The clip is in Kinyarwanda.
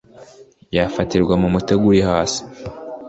yafatirwa mu mutego uri hasi